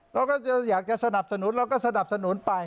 เราก็จะอยากจะสนับสนุนเราก็สนับสนุนไป